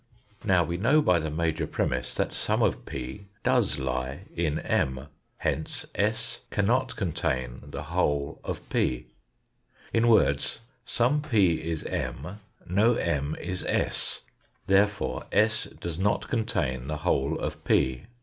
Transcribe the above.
Now we know by the major premiss that some of P does lie in M. Hence s cannot contain the whole of p. In words, some P is M, no M is s, therefore s does not contain the whole of P.